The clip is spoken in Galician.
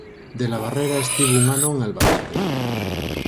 De la Barrera estivo un ano en Albacete.